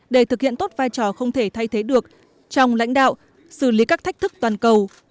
để thực hiện tốt vai trò không thể thay thế được trong lãnh đạo xử lý các thách thức toàn cầu